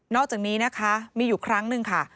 อกจากนี้นะคะมีอยู่ครั้งหนึ่งค่ะ